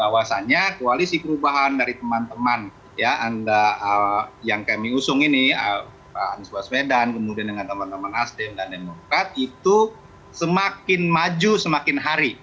bahwasannya koalisi perubahan dari teman teman yang kami usung ini pak anies baswedan kemudian dengan teman teman nasdem dan demokrat itu semakin maju semakin hari